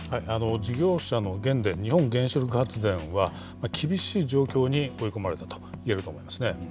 事業者の原電・日本原子力発電は、厳しい状況に追い込まれたといえると思いますね。